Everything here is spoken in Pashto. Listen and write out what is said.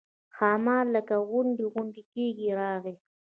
ښامار لکه غونډی غونډی کېږي راغی.